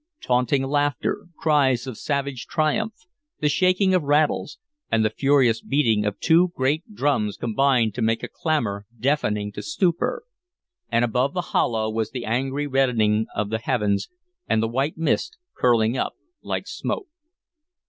Taunting laughter, cries of savage triumph, the shaking of the rattles, and the furious beating of two great drums combined to make a clamor deafening to stupor. And above the hollow was the angry reddening of the heavens, and the white mist curling up like smoke.